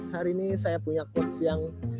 hari ini saya punya coach yang